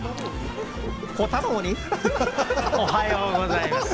おはようございます。